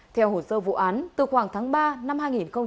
theo hồ sơ vụ án từ khoảng tháng ba năm hai nghìn hai mươi